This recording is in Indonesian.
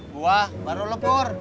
gua baru lu pur